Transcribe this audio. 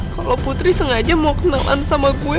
kalau putri sengaja mau kenalan sama gue